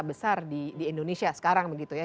besar di indonesia sekarang begitu ya